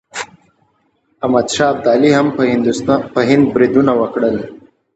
احمد شاه ابدالي هم په هند بریدونه وکړل.